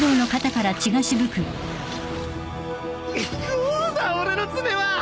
どうだ俺の爪は！